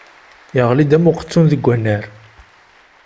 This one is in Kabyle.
Yeɣli-d am uqettun deg unnar.